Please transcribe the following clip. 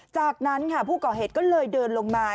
จากนั้นค่ะผู้ก่อเหตุก็เลยเดินลงมา